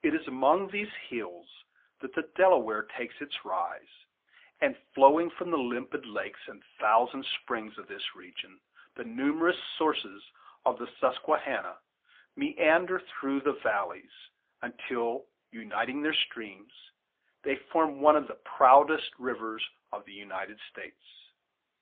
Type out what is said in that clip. It is among these hills that the Delaware takes its rise; and flowing from the limpid lakes and thousand springs of this region the numerous sources of the Susquehanna meander through the valleys until, uniting their streams, they form one of the proudest rivers of the United States.